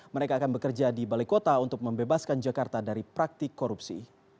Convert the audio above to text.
mereka akan bekerja di balai kota untuk membebaskan jakarta dari praktik korupsi